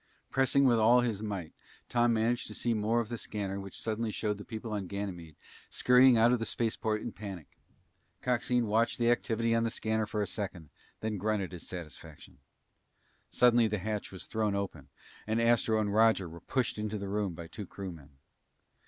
Pressing with all his might, Tom managed to see more of the scanner which suddenly showed the people of Ganymede scurrying out to the spaceport in panic. Coxine watched the activity on the scanner for a second and then grunted his satisfaction. Suddenly the hatch was thrown open and Astro and Roger were pushed into the room by two crewmen.